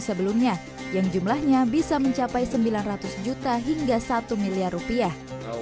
sebelumnya yang jumlahnya bisa mencapai sembilan ratus juta hingga satu miliar rupiah